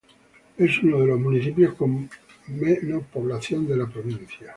Es uno de los municipios con menos población de la provincia.